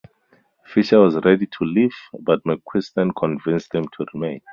Fisher was ready to leave, but McQuesten convinced him to remain.